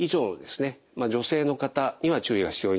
女性の方には注意が必要になります。